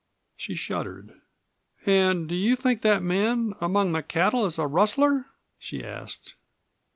She shuddered. "And do you think that man among the cattle is a rustler?" she asked.